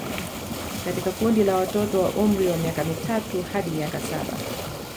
Katika kundi la watoto wa umri wa miaka mitatu hadi miaka saba